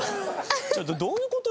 ちょっとどういう事よ？